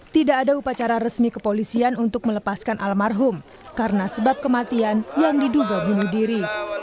tidak ada upacara resmi kepolisian untuk melepaskan almarhum karena sebab kematian yang diduga bunuh diri